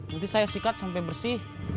nanti saya sikat sampai bersih